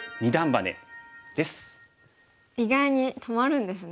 意外に止まるんですね。